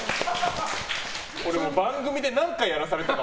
俺も番組で何回やらされたか。